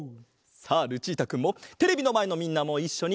さあルチータくんもテレビのまえのみんなもいっしょに！